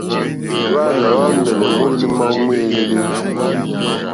Hwàana hwa ambɛlɛ mòlèli mo awu mo èlèlè.